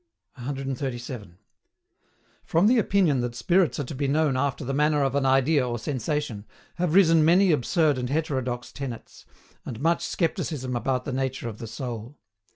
137. From the opinion that spirits are to be known after the manner of an idea or sensation have risen many absurd and heterodox tenets, and much scepticism about the nature of the soul.